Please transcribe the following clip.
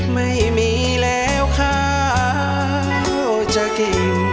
ไม่มีแล้วข้าวจะกิน